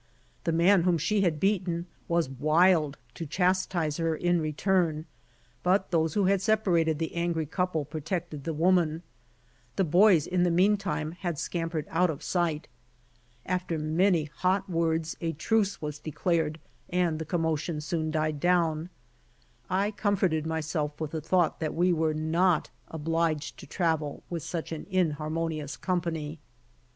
The man whom she had beaten was wild to chastise her in return, but tliose who had separated the angry couple protected the woman. The boys in the meantime had scampered out of sight. After many hot words, a truce was declared and the commotion soon died down. I com forted myself with the thought that we were not obliged to travel with such an inharmonious company.